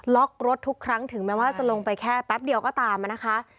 ล็อกรถทุกครั้งถึงแม้ว่าจะลงไปแค่แป๊บเดียวก็ตามนะคะ